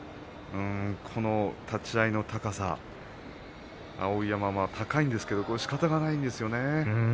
立ち合いの高さ、碧山高いんですけどしかたがないですよね。